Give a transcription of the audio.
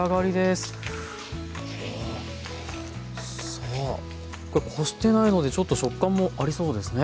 さあこれこしてないのでちょっと食感もありそうですね。